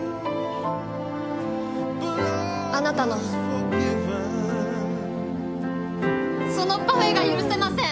あなたのそのパフェが許せません！